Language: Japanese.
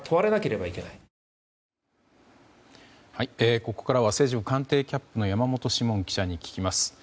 ここからは政治部官邸キャップの山本志門記者に聞きます。